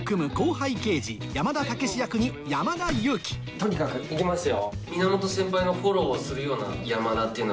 とにかく行きますよ。